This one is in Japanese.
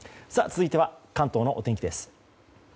続いては、関東のお天気です。